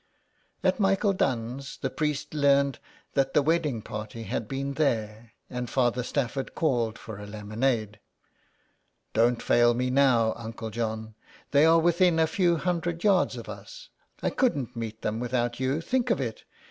At Michael Dunne's, the priests learned that the wedding party had been there, and Father Stafford called for a lemonade. *' Don't fail me now, uncle John. They are within a few hundred yards of us. I couldn't meet them without you. Think of it.